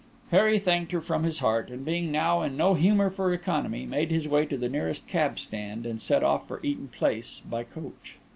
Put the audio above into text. Harry thanked her from his heart, and being now in no humour for economy, made his way to the nearest cab stand and set off for Eaton Place by coach.